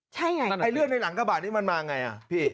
ใช่ไงไอเลือดในหลังกระบะนี้มันมาไงอ่ะพี่